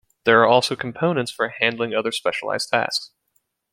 There are also components for handling other specialized tasks.